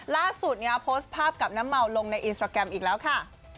ล่าสุดเนี่ยโพสต์ภาพกับน้ำเมาลงในอินสตราแกรมอีกแล้วค่ะ